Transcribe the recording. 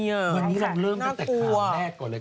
วันนี้เราเริ่มตั้งแต่ช่วงแรกก่อนเลย